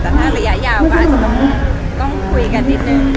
แต่ถ้าระยะยาวก็อาจจะต้องคุยกันนิดนึง